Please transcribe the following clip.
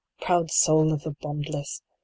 Proud soul of the Bondless !